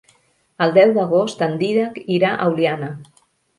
El deu d'agost en Dídac irà a Oliana.